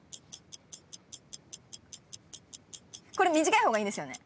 これ短い方がいいんですよね？